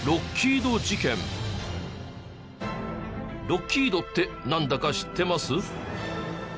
「ロッキード」ってなんだか知ってます？